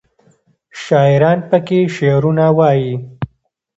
شاعران پکې شعرونه وايي.